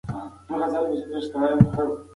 زموږ د کور کوترې